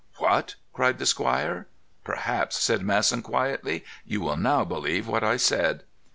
"What?" cried the squire. "Perhaps," said Masson politely, "you will now believe what I said."